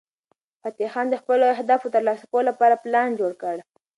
فتح خان د خپلو اهدافو د ترلاسه کولو لپاره پلان جوړ کړ.